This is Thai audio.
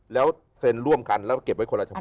แล้วเซ็นร่วมกันแล้วก็เก็บไว้คนละฉบับ